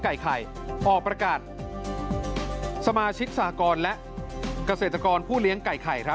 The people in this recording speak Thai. ไก่ไข่ออกประกาศสมาชิกสากรและเกษตรกรผู้เลี้ยงไก่ไข่ครับ